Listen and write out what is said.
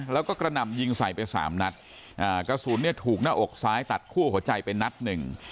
แล้วก็กระหน่ำยิงใส่ไปสามนัดอ่ากระสุนเนี่ยถูกหน้าอกซ้ายตัดคั่วหัวใจไปนัดหนึ่ง